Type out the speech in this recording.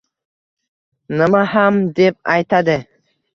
Nima ham deb aytadi?